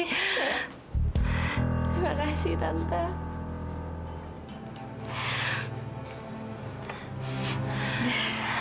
terima kasih tante